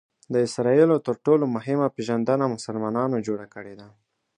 د اسراییلو تر ټولو مهمه پېژندنه مسلمانانو جوړه کړې ده.